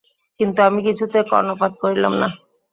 কিন্তু আমি কিছুতে কর্ণপাত করিলাম না।